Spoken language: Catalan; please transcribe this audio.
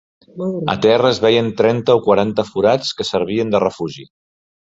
A terra es veien trenta o quaranta forats que servien de refugi